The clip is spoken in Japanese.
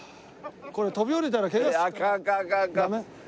これ飛び降りたらケガする？